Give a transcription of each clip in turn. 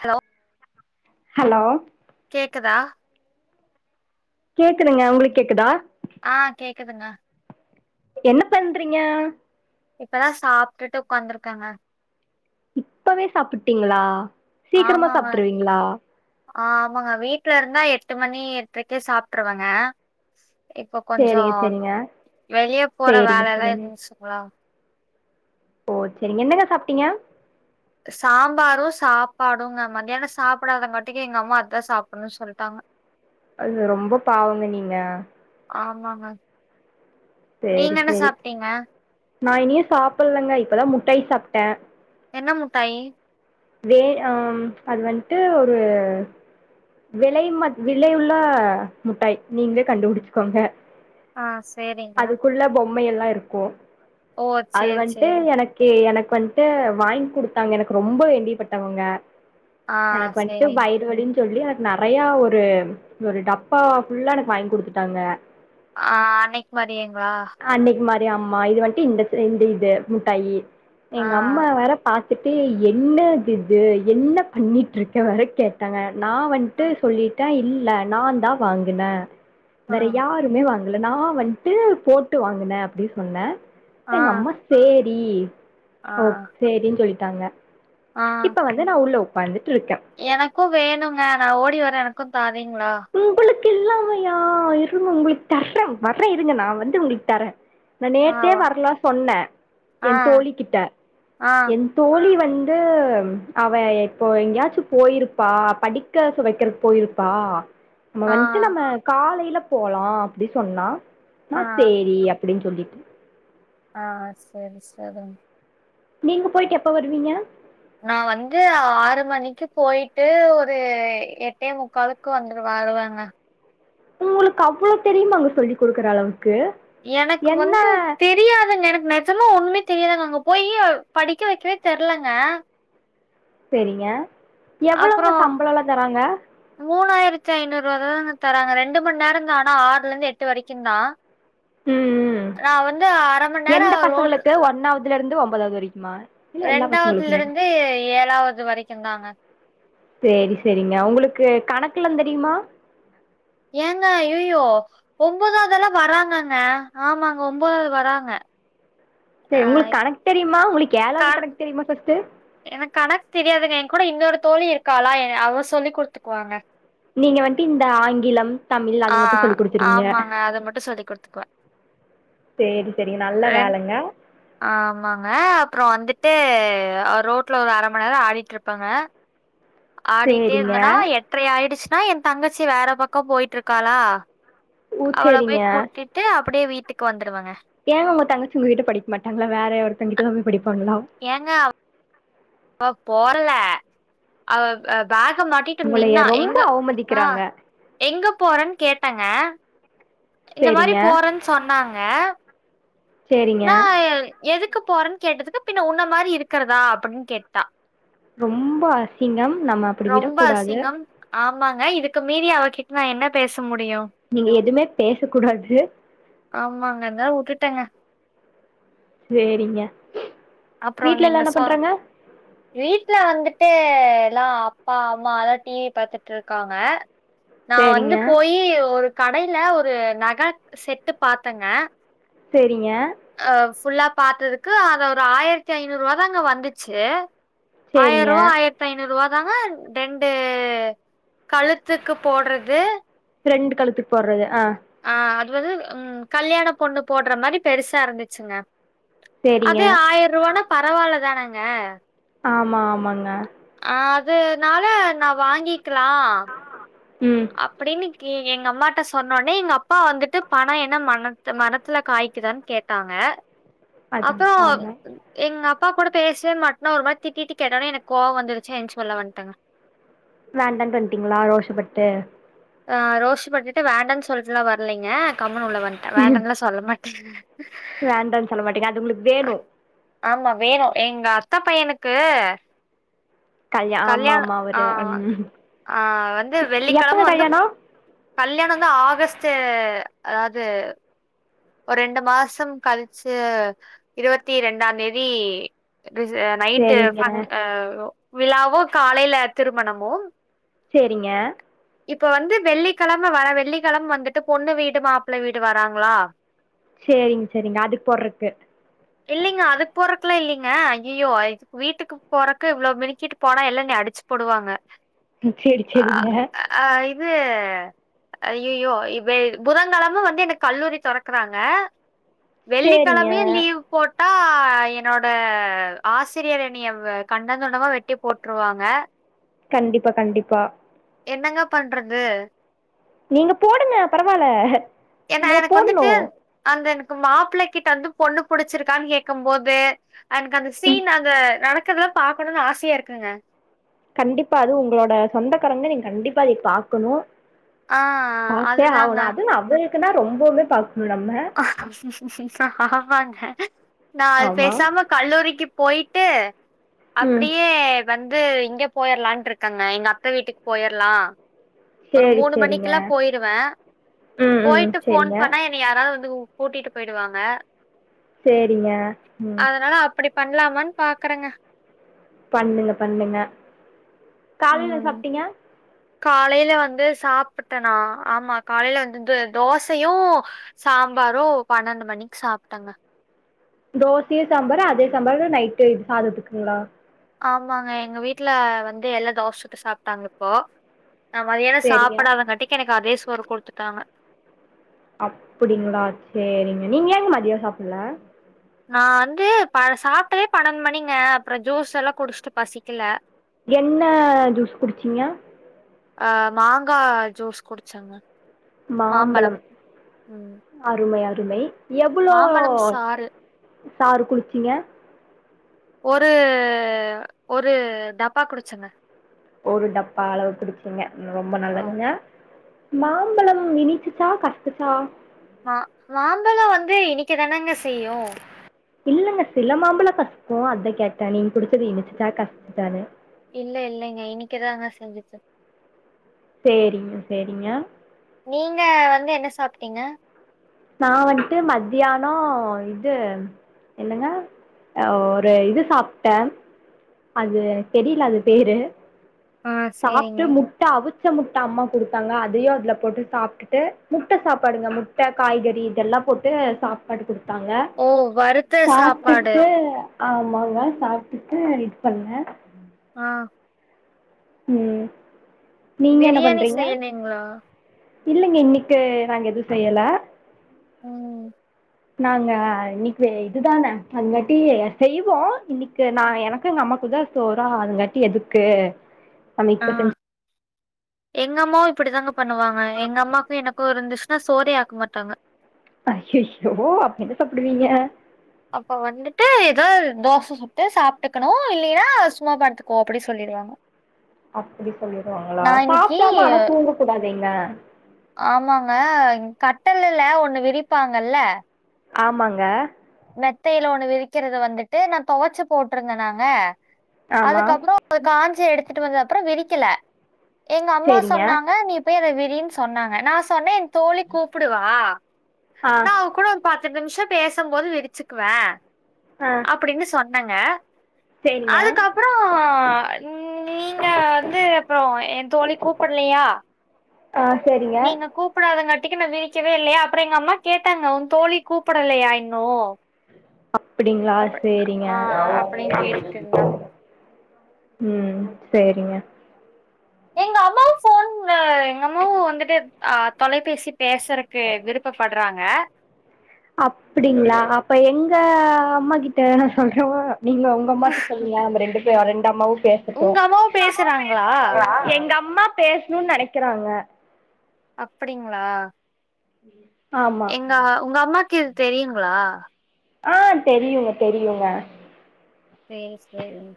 Hello hello கேக்குதா? கேக்குதுங்க.. உங்களுக்கு கேக்குதா? ஆ கேக்குதுங்க. என்ன பண்றீங்க? இப்பதா சாப்ட்டுட்டு உக்காந்துருக்கேங்க இப்பவே சாப்பிட்டீங்களா? சீக்கிரமா ஆமாங்க! சாப்ட்ருவீங்களா ஆ ஆமாங்க வீட்டு்ல இருந்தா எட்டு மணி எட்டுரைக்கே சாப்ட்டுருவங்க இப்ப கொஞ்சோ சேரிங்க சேரிங்க வெளியே போற சேரிங்க வேல எல்லா சேரிங்க இருந்துச்சுங்களா ஓ சரிங்க என்னங்க சாப்ட்டீங்க சாம்பாரு சாப்பாடுங்க மத்தியான சாப்பிடாதங்காட்டிக்கு எங்க அம்மா அதா சாப்புட்ணு சொல்ட்டாங்க அது ரொம்ப பாவங்க நீங்க ஆமாங்க சேரி நீங்க என்ன சேரி சாப்ட்டீங்க? நா இனியு சாப்புல்லேங்க. இப்போதா முட்டாய் சாப்ட்டே என்ன முட்டாயி வே அ அது வந்டு ஒரு விலை ம விலையுள்ள முட்டாய். நீங்களே கண்டுபுடிச்சுக்கோங்க ஆ சேரி அதுக்குள்ள பொம்மையெல்லா இருக்கு ஓ! அது சேரி, வந்டு சேரி. எனக் கு எனக்கு வந்ட்டு வாங்கி குடுத்தாங்க. எனக்கு ரொம்ப வேண்டியப்பட்டவங்க. ஆ எனக்கு வந்ட்டு சேரிங்க. வயிறு வலின் சொல்லி அது நறைய ஒரு ஒரு டப்பா ஃபுல்லா எனக்கு வாங்கி குடுத்துட்டாங்க ஆ அன்னைக்கு மாரியேங்களா அன்னைக்கு மாரி அம்மா, இது வந்ட்டு இந்த இந்த இது முட்டாயி ஆ, எங்க அம்மா வேற பாத்துட்டு. என்னதிது என்ன பண்ணிட்டுருக்க வேற கேட்டாங்க. நா வந் அ, ட்டு சொல்லிட்டே. இல்ல நான்தா வாங்குனே. ஆ, வேற யாருமே வாங்கல. நா வந் ட்டு போட்டு வாங்குனே அப்டி சொன்னே. ஆ, எங்க அம்மா சேரி ஆ, ஓ.. சேரின்னு சொல்ட்டாங்க. ஆ. இப்ப வந்து நா உள்ள உக்காந்துட்டுருக்கே எனக்கு வேணுங்க. நா ஓடி வரே எனக்கு தாரீங்களா உங்களுக்கு இல்லாமையா இருங்க உங்களுக்கு தர்றே வர்றே இருங்க நா வந்து உங்களுக்கு தரே நா நேத்தே ஆவா வர்லா சொன்ன. ஆ, என் தோழிகிட்ட ஆ, என் தோழி வந் டு அவ இப்போ எங்கேயாச்சு போயிருப்பா! படிக்கசு வெக்கறக்கு போயிருப்பா! நம்ம ஆ, வந்துட்டு நம்ம காலைல போலா அப்டி சொன்னா நா ஆ, சேரி. அப் ப்டின் சொல்லிட்ட ஆ சேர் சேரிங் நீங்க போயிட்டு எப்போ வருவீங்க நான் வந்து ஆறு மணிக்கு போயிட்டு ஒரு எட்டே முக்காலுக்கு வந்துரு வருவங்க! உங்களுக்கு அவ்ள தெரியுமாங்க சொல்லி் குடுக்குற அளவுக்கு? எனக்கு என்ன வந்து தெரியாதுங்க! எனக்கு நெ... ஜமா ஒன்னுமே தெரியலங்க! அங்க போயி படிக்க வெக்கவே தெர்லங்க செரிங்க எவ்வளவுங்க சம்பளலா தராங்க மூணாயிரத்து ஐநூறுவா தாங்க தராங்க ரெண்டு மணி நேரதா ஆனா ஆறுல இருந்து எட்டு வரைக்கு தா ம் ம் நா வந்து அர மணி நேர ரோட் ஒன்னாவதுலருந்து ஒன்பதாவது வரைக்குமா இல்ல எல்லா ரெண்டாவதுல பசங்களுக்குமா இருந்து ஏழாவது வரைக்குந்தாங்க சேரி சேரிங்க உங்களுக்கு கணக்குலா தெரியுமா ஏங்க ஐயைய்யோ ஒன்பதாவதெல்லா வராங்கங்க ஆமாங்க ஒன்பதாவது வராங்க செரி அ உங்களுக்கு கணக்கு தெரியுமா உங்களுக்கு க ஏழாவது கணக்கு தெரியுமா ஃபர்ஸ்ட்டு எனக்கு கணக்கு தெரியாதுங்க என் கூட இன்னொரு தோழி இருக்காளா அவ சொல்லி குடுத்துக்குவாங்க நீங்க வந்துட்டு இந்த ஆங்கிலம் தமிழ் அது ஆ மட்டு சொல்லி் குடுத்துருவீங்க ஆமாங்க. அத மட்டும் சொல்லிக் குடுத்துக்குவா. சேர் சேரி நல்ல ரெண் வேலங்க ஆமாங்க அப்பற வந்துட்டு ரோட்ல ஒரு அர மணி நேர ஆடிட்டு இருப்பங்க ஆடிட்டே சேரிங்க இருந்தனா எட்ரை ஆயிடுச்சுன்னா என் தங்கச்சி வேற பக்க போயிட்டு இருக்காளா ஓ அவள போய் சேரிங்க கூட்டிட்டு அப்டியே வீட்டுக்கு வந்துருவங்க ஏங்க உங்க தங்கச்சி உங்க கிட்ட படிக்க மாட்டாங்ளா வேற ஒருத்தங்கிட்ட தா போய் படிப்பாங்களா ஏங்க அவ போரல அவ பேக மாட்டிட்... உங்களைய நின்னா ரொம்ப எங்க அ அவமதிக்கிறாங்க எங்க போறன் கேட்டங்க இந்த மாரி சேரிங்க போறன் சொன்னாங்க.. ! செரிங்க! எதுக்கு போறன் கேட்டதுக்கு பின்ன உன்ன மாரி இருக்குறதா அப்டின் கேட்டா.. ரொம்ப அசிங்கம் நம்ம அப்டி ரொம்ப விடக்கூடாது! அசிங்கம். ஆமாங்க! இதுக்கு மீறி அவகிட்ட நா என்ன பேச முடியு நீங்க எதுமே பேச கூடாது! ! ஆமாங்க அதா உட்டுட்டங்க செரிங்க அப்புறம் வீட்லல்லா நீங்க என்ன சொ பண்றாங்க வீட்ல வந்துட்டு எல்லா அப்பா அம்மாலா டிவி பாத்துட்டு இருக்காங்க நா சேரிங்க வந்து போயி ஒரு கடைல ஒரு நக செட்டு பாத்தங்க செரிங்க அ ஃபுல்லா பாத்ததுக்கு அத ஒரு ஆயிரத்தி ஐநூறுவா தாங்க வந்துச்சு சேரிங்க ஆயிருவா ஆயிர த்து ஐநூறுவாதாங்க ரெண்டு கழுத்துக்கு போட்றது ரெண்டு் கழுத்துக்கு போட்றது அ ஆ அது வந்து ம் கல்யாண பொண்ணு போட்ற மாரி பெருசா இருந்துச்சுங்க சேரிங்க அது ஆயிருவானா பரவால்ல தானங்க ஆமா ஆமாங்க அதுனால நா வாங்கிக்கலா ம் அப்டின்னு கே எங்க அம்மாட்ட சொன்னோன்னே எங்க அப்பா வந்துட்டு பணோ என்ன மனத்து மரத்துல காய்குதான்னு கேட் டாங்க அதாங்க அப்றோ ஆமா எங்க அப்பா கூட பேசவே மாட்டன்னா ஒரு மாதி திட்டிட்டு கேட்டன்னே எனக்கு கோவ வந்துருச்சு எந்ச்சு வெள்ள வந்துட்டங்க வேண்டாண்ட்டு வண்ட்டிங்களா ரோஷப்பட்டு அ ரோஷ பட்டுட்டு வேண்டான்னு சொல்லிட்டுல்லா வர்லீங்க கம்முன்னு உள்ள வந்து ட்டே வேண்டாண்லா சொல்ல மாட்டேங்க வேண்டான்னு சொல்ல மாட்டேங்க அது உங்களுக்கு வேணு ஆமா வேணு எங்க அத்த பையனுக்கு கல்யா ஆமா கல்யாண ஆமா ஆ அவரு ம் ஆ வந்து எப்பங்க வெள்ளிக்கெழம வந்து கல்யாணோ கல்யாண தா ஆகஸ்ட் அதாவுது ஒரு ரெண்டு மாசோ கழிச்சு இருவத்தி ரெண்டா தேதி ரிச நைட்டு சேரிங்க ஃபங் அ விழாவு காலையில திருமணமு சேரிங்க இப்ப வந்து வெள்ளிக்கழம வர வெள்ளிக்கழம வந்துட்டு பொண்ணு வீடு மாப்பிளே வீடு வராங்களா சேரிங்க சேரிங்க அதுக்கு போறக்கு இல்லைங்க அதுக்கு போறக்குலா இல்லிங்க அய்யியோ இதுக் வீட்டுக்கு போறக்கு இவ்வளோ மினுக்கிட்டு போனா எல்லா என்னையே அடிச்சு போடுவாங்க ம் சேரி சேரிங்க அ இது அய்யய்யோ இப்போ இது புதங்கெழம வந்து எனக்கு கல்லூரி தொரக் க்கறாங்க வெள்ளிக்கிழமயு சேரிங்க லீவ் போட்டா ஆ என்னோட ஆசிரியர் என்னைய வெ கண்டந்துண்டமா வெட்டி போட்டுருவாங்க கண்டிப்பா கண்டிப்பா என்னங்க பண்றது நீங்க போடுங்க பரவால்ல ஏன்னா நம்ம எனக்கு போட்ணு வந்துட்டு அந்த எனக் மாப்பிளை கிட்ட வந்து பொண்ணு புடிச்சிருக்கான்னு கேக்கு போது எனக்கு அந்த ம் சீன் அந்த நடக்கறதலா பாக்கணும்னு ஆசையா இருக்குங்க கண்டிப்பா அது உங்களோட சொந்தக்காரங்கள நீங்க கண்டிப்பா அதை பாக்குணு ஆ பாத்தே அதுதாங்க ஆகணு அது என்ன அவளுக்குனா ரொம்பவே பாக்கணு நம்ம ஆமாங்க நா அது ஆமா பேசாம கல்லூரிக்கு போய்ட்டு ம் அப்டியே வந்து இங்க போய்ட்லாண்ட்டு இருக்கங்க எங்க அத்த வீட்டுக்கு போயிற்லா ஒரு சேரி மூணு சேரிங்க மணிக்கில்லா போயிருவே ம் ம் போய்ட்டு ஃபோன் சேரிங்க பண்ணா என் னைய யாராவது வந்து கூட்டிட்டு போய்டுவாங்க சேரிங்க ம் அதனால அப்டி பண்ணலாமான்னு பாக்குறேங்க பண்ணுங்க பண்ணுங்க காலையில என்ன ம் சாப்ட்டீங்க காலையில வந்து சாப்புட்டனா ஆமா காலையில வந்து தோசையு சாம்பாரு பன்னெண்டு மணிக்கு சாப்ட்டங்க தோசையு சாம்பாரு அதே சாம்பார் நைட்டு இது சாதத்துக்குங்களா ஆமாங்க எங்க வீட்டுல வந்து எல்லா தோச சுட்டு சாப்ட்டாங்க இப்போ நா மதியான சேரிங்க சாப்பிடாதாட்டிக்கி எனக்கு அதே சோறு குடுத்துட்டாங்க அப்டிங்களா சேழரிங்க நீங்க ஏங்க மதிய சாப்பிடல நா வந்து பழ சாப்பிட்டதே பண்ணெண்டு மணிங்க அப்றோ ஜூஸ் எல்லா குடிச்சுட்டு பசிக்கல என்ன ஜூஸ் குடிச்சிங்க அ மாங்கா ஜூஸ் குடிச்சங்க மாம்பழம் ம் அருமை அருமை எவ்ளோ மாம்பழம் சாறு சாறு குடிச்சிங்க ஒரு ஒரு டப்பா குடிச்சங்க ஒரு டப்பா அளவு குடிச்சீங்க ரொம்ப நல்லதுங்க மாம்பழம் இனிச்சு சா கசக்குச் சா மா மாம்பழ வந்து இனிக்க தானேங்க செய்யு இல்லங்க சில மாம்பழ கசக்கு அத கேட்ட நீங்க குடிச்சது இனிச்சு சா கசக்கு சானு இல்ல இல்லைங்க இனிக்கதாங்க செஞ்சிச்சி சேரிங்க சேரிங்க நீங்க வந்து என்ன சாப்பிட்டீங்க நா வன்ட்டு மத்தியானோ இது என்னங்க அ ஒரு இது சாப்ட்ட அது தெரில அது பேரு ஆ சாப்ட்டு சேரிங்க மு முட்ட அவிச்ச முட்ட அம்மா குடுத்தாங்க அதையு அதுல போட்டு சாப்பிட்டுட்டு முட்ட சாப்பாடுங்க முட் முட்ட காய்கறி இதெல்லா போட்டு சாப் படுத்துருக்காங்க ஓ வறுத்த சாப்பாடு சாப்ட்டுட்டு ஆமாங்க சாப்ட்டுட்டு இது பண்ண ஆ ம் நீங்க என்ன பிரியாணி பண்றீங்க செய்யலீங்களா இல்லைங்க இன்னிக்கு நாங்க எது செய்யல ம். நாங்க இன்னிக்கு இதுதான அது வாட்டி செய்வோ இன்னிக்கு நான் எனக்கோ எங்க அம்மாக்கு தா தோறா அதுங்காட்டி எதுக்கு நம்ம ஆ இப்ப செஞ்சு எங்கம்மாவும் இப்டிதாங்கப் பண்ணுவாங்க எங்க அம்மாக்கும் எனக்கும் இருந்துச்ன்னா சோறே ஆக்க மாட்டாங்க ஐய்யயோ அப்ப என்ன சாப்பிடுவீங்க அப்ப வந்துட்டு எதா தோச சுட்டு சாப்டுக்கனும் இல்லையா சும்மா படுத்துக்கோ அப்டின்னு சொல்லிடுவாங்க அப்டி சொல்லிடுவாங்களா நா இன்னைக்கு சாப்டாம ஆனா தூங்க கூடாதேங்க ஆமாங்க கட்டலல்ல ஒண்ணு விரிப்பாங்கல்ல ஆமங்க மெத்தயில ஒண்ணு விரிக்கறது வந்துட்டு நான் துவச்சு போட்டிருந்த நாங்க ஆமா அதுக்கப்பறோ அத கம்ச்சி எடுத்துட்டு வந்ததுகப்பறோ விரிக்கல எங்க அம்மா சேரிங்க சொன்னாங்க நீ போய் அத விரினு சொன்னாங்க நா சொன்னே என் தோழி கூப்டுவா ஆ நா அவ கூட பத்து நிமிஷ பேசும் போது விரிச்சுக்குவே ஆ அப்டின்னு சொன்னங்க சேரிங்க அதுக்கப்பறோ நீங்க வந்து அப்பறோ ஏ தோழி கூப்பிடலையா ஆ சேரிங்க கூப்பிடாததுங்காட்டிக்கு நான் விரிக்கவே இல்லையா அப்பறோ எங்க அம்மா கேட்டாங்க உன் தோழி கூப்பிடலையா இன்னும் அப்டிங்களா அப்ப சேரிங்க ஆ அப்படின்னு கேட்டுட்டு இருந்தாங்க ம் சேரிங்க எங்கம்மாவு போன் அ எங்க அம்மாவு வந்துட்டு அ தொலைபேசி பேசறக்கு விருப்பப்படுறாங்க அப்டிங்களா அப்ப எங்க அம்மா கிட்ட [unintelligible] அம்மாட்ட சொல்லுங்க அந்த ரெண்டு பேர் ரெண்டு அம்மாவு பேச உங்க அம்மாவும் பேசுறாங்களா எங்க அம்மா பேசணுன்னு நெனைக்கறாங்க அப்டிங்களா [inaudible] எங்க உங்க அம்மாக்கு இது தெரியுங்ளா ஆ தெரியுங்க தெரியுங்க சேரி சேரிங்க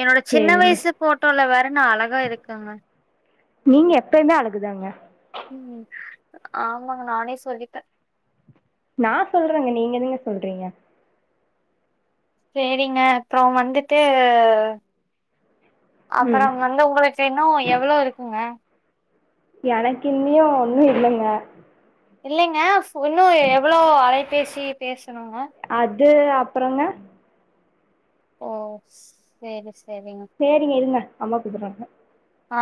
என்னோட சின்ன சேரிங்க வயசு போட்டோல வேற நா அழகா இருக்கங்க நீங்க எப்பயுமே அழகுதாங்க ம் ஆமாங்க நானே சொல்லிப்ப நா சொல்றங்க நீ என சொல்றீங்க சேரிங்க அப்ரோ வந்துட்டு அப்ரோ ம் வந்து உங்க இன்னு எவ்வளோ இருக்குங்க எனக்கு இன்னியு ஒன்னு இல்லங்க இல்லங்க இன்னு எவ்ளோ அழைபேசி பேசனுங்க அது அப்றோங்க ஓ செரி செரிங் சேரிங்க இருங்க அம்மா கூப்பட்ராங்க ஆ